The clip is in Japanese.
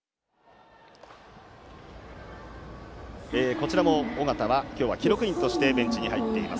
こちらも緒方は記録員としてベンチに入っています。